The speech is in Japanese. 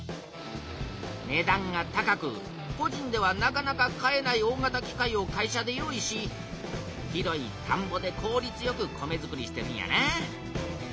ねだんが高くこじんではなかなか買えない大型機械を会社で用意し広いたんぼでこうりつよく米づくりしてるんやな。